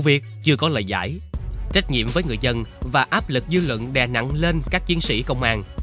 việc chưa có lời giải trách nhiệm với người dân và áp lực dư luận đè nặng lên các chiến sĩ công an